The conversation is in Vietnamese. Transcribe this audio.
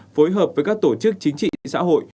phối hợp với các tổ chức chính trị xã hội